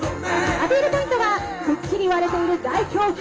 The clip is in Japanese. アピールポイントは、くっきり割れている大胸筋。